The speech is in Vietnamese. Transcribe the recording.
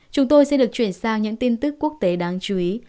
chúng tôi sẽ được chuyển sang những tin tức quốc tế đáng chú ý